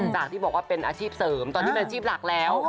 จากที่บอกว่าเป็นอาชีพเสริมตอนนี้เป็นอาชีพหลักแล้ว